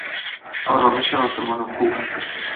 آرامش آسمان و کوه